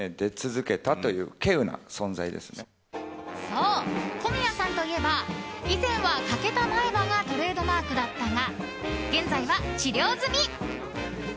そう、小宮さんといえば以前は欠けた前歯がトレードマークだったが現在は治療済み。